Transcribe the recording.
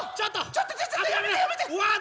ちょっとやめてやめて！